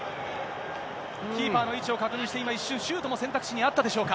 キーパーの位置を確認して、今、一瞬、シュートも選択肢にあったでしょうか。